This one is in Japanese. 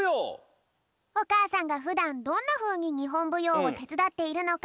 おかあさんがふだんどんなふうににほんぶようをてつだっているのか